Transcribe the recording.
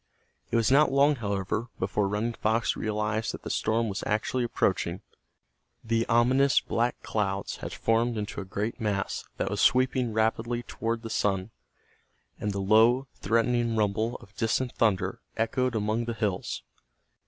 It was not long, however, before Running Fox realized that the storm was actually approaching. The ominous black clouds had formed into a great mass that was sweeping rapidly toward the sun, and the low, threatening rumble of distant thunder echoed among the hills.